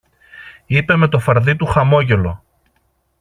είπε με το φαρδύ του χαμόγελο